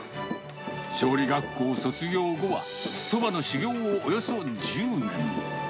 調理学校を卒業後は、そばの修業をおよそ１０年。